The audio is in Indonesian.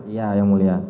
iya yang mulia